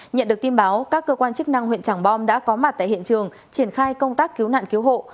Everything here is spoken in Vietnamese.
nhận được tin báo các cơ quan chức năng huyện tràng bom đã có mặt tại hiện trường triển khai công tác cứu nạn cứu hộ